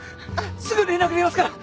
すぐ連絡入れますから。